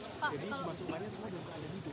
pak kalau masuk ke rumahnya sudah ada di rumah